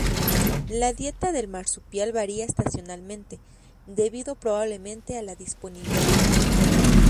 La dieta del marsupial varía estacionalmente, debido probablemente a la disponibilidad.